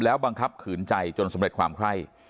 แล้วบังคับขืนใจจนสมริตความไคร้